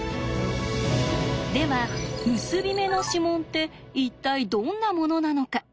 では結び目の指紋って一体どんなものなのか？